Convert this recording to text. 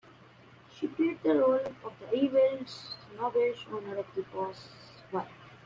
She played the role of the evil, snobbish owner or "The Boss's Wife".